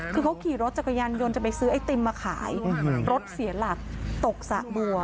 คือเขาขี่รถจักรยานยนต์จะไปซื้อไอติมมาขายรถเสียหลักตกสระบัว